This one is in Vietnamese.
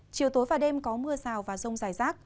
chiều tối và đêm có mưa rào và rông rải rác